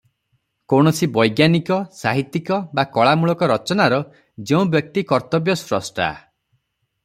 କୌଣସି ବୈଜ୍ଞାନିକ, ସାହିତ୍ୟିକ ବା କଳାମୂଳକ ରଚନାର ଯେଉଁ ବ୍ୟକ୍ତି କର୍ତ୍ତବ୍ୟ ସ୍ରଷ୍ଠା ।